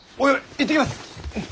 いってきます！